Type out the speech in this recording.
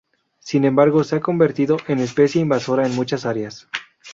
Sin embargo, se ha convertido en especie invasora en muchas áreas.